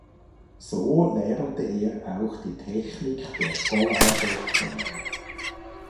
So lernte er auch die Technik der Collage kennen.